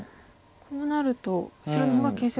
こうなると白の方が形勢は。